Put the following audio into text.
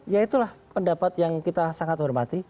ya itulah pendapat yang kita sangat hormati